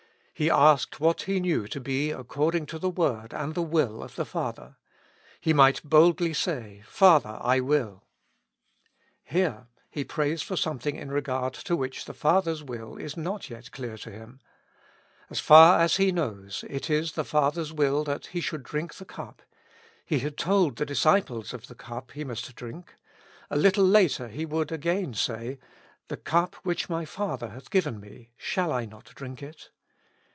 He asked what He knew to be according to the word and the will of the Father; He might boldly say, "Father! I will." 227 With Christ in the School of Prayer. Here He prays for something in regard to which the Father's will is not yet clear to Him. As far as He knows, it is the Father's will that He should drink the cup. He had told His disciples of the cup He must drink: a little later He would again say, "The cup which my Father hath given me, shall I not drink it